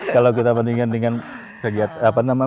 kalau kita mendingan dengan